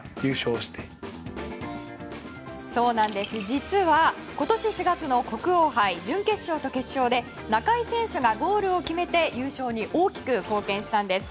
実は今年４月の国王杯準決勝と決勝で中井選手がゴールを決めて優勝に大きく貢献したんです。